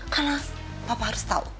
karena papa harus tahu